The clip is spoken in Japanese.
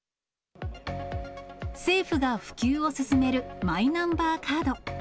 政府が普及を進めるマイナンバーカード。